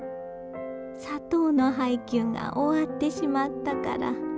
砂糖の配給が終わってしまったから。